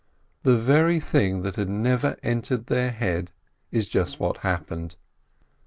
The very thing that had never entered their head is just what happened.